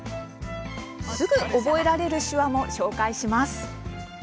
すぐ覚えられる手話も紹介します。